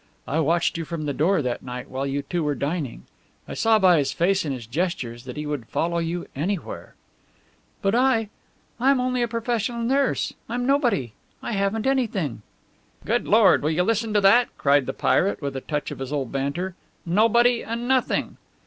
I watched you from the door that night while you two were dining. I saw by his face and his gestures that he would follow you anywhere." "But I I am only a professional nurse. I'm nobody! I haven't anything!" "Good Lord, will you listen to that?" cried the pirate, with a touch of his old banter. "Nobody and nothing?"